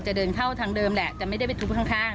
จะเดินเข้าทางเดิมแหละจะไม่ได้ไปทุบข้าง